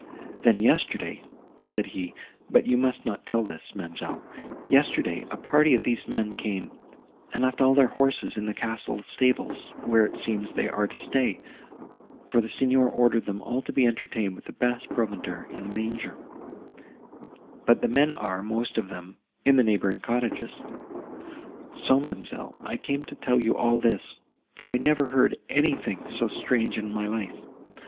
'Then yesterday,' said he, but you must not tell this, ma'amselle, 'yesterday, a party of these men came, and left all their horses in the castle stables, where, it seems, they are to stay, for the Signor ordered them all to be entertained with the best provender in the manger; but the men are, most of them, in the neighbouring cottages.' "So, ma'amselle, I came to tell you all this, for I never heard anything so strange in my life.